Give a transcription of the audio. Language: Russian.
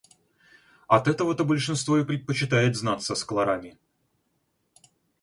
От этого-то большинство и предпочитает знаться с Кларами.